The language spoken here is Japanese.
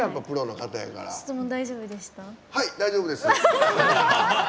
はい、大丈夫です。